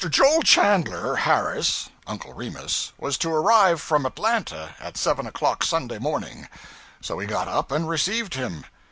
JOEL CHANDLER HARRIS ['Uncle Remus') was to arrive from Atlanta at seven o'clock Sunday morning; so we got up and received him.